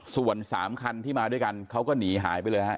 ส่วน๓คันที่มาด้วยกันเขาก็หนีหายไปเลยฮะ